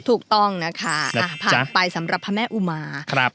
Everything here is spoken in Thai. ถูกต้องนะคะผ่านไปสำหรับพระแม่อุมา